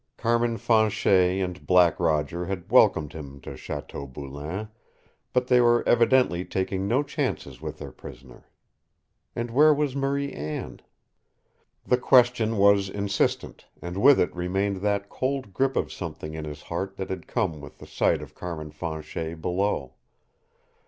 Carmin Fanchet and Black Roger had welcomed him to Chateau Boulain, but they were evidently taking no chances with their prisoner. And where was Marie Anne? The question was insistent, and with it remained that cold grip of something in his heart that had come with the sight of Carmin Fanchet below.